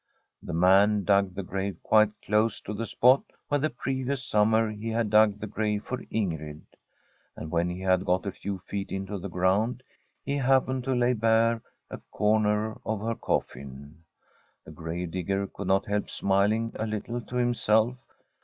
The man dug the grave quite close to the spot where the previous summer he had dug the Save for Ingrid. And when he had got a few tt into the ground he happened to lay bare a corner of her coffin. The grave digger could not help smiling a little to himself.